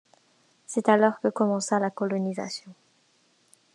C'est alors que commença la colonisation.